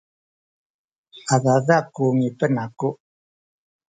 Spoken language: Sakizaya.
adada ku ngipen aku